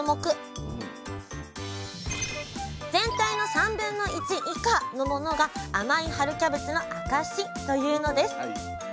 全体の1/3以下のものが甘い春キャベツの証しというのです！